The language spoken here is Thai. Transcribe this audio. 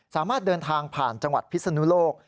สามารถเดินทางผ่านจังหวัดพิศนุโลก